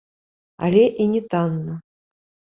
Але і не танна.